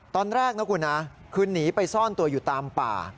ตอนแรกนะคุณนะคือหนีไปซ่อนตัวอยู่ตามป่า